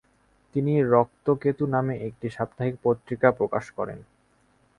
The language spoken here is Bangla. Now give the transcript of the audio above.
তিনি রক্তকেতু নামে একটি সাপ্তাহিক পত্রিকা প্রকাশ করেন।